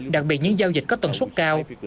đặc biệt những giao dịch có tần suất cao